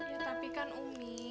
ya tapi kan umi